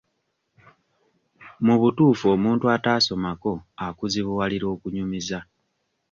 Mu butuufu omuntu ataasomako akuzibuwalira okunyumiza.